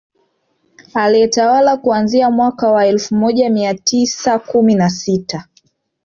Aliyetawala kuanzia mwaka wa elfu moja mia tisa kumi na sita